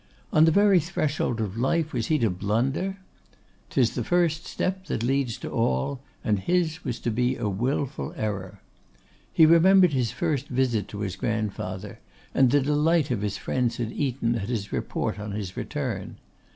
On the very threshold of life was he to blunder? 'Tis the first step that leads to all, and his was to be a wilful error. He remembered his first visit to his grandfather, and the delight of his friends at Eton at his report on his return.